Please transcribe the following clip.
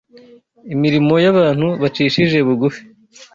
imirimo y’abantu bacishije bugufi